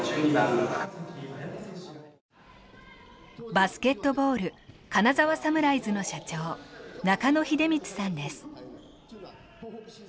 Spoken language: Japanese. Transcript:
バスケットボール金沢武士団の社長中野秀光さんです。